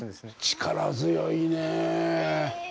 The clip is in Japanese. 力強いね。